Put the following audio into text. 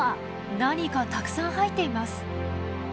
何かたくさん入っています。